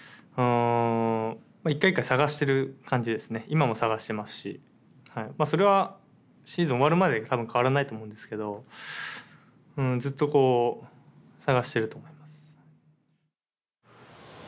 今も探してますしそれはシーズン終わるまで多分変わらないと思うんですけどずっとこう探してると思います。